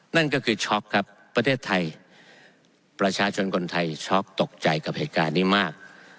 นั่นก็คือช็อกครับประเทศไทยประชาชนคนไทยช็อกตกใจกับเหตุการณ์นี้มาก